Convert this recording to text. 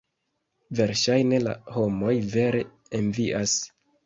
Verŝajne la homoj vere envias.